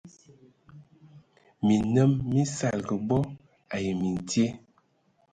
Minnǝm mí saligi bod ai mintye,